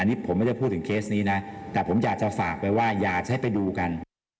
อันนี้ผมไม่ได้พูดถึงเคสนี้นะแต่ผมอยากจะฝากไปว่าอยากจะให้ไปดูกัน